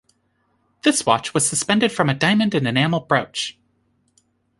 This watch was suspended from a diamond and enamel brooch.